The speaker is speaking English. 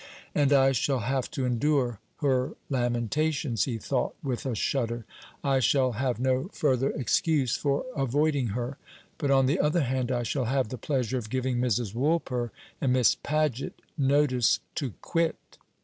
"And I shall have to endure her lamentations," he thought, with a shudder. "I shall have no further excuse for avoiding her. But, on the other hand, I shall have the pleasure of giving Mrs. Woolper and Miss Paget notice to quit."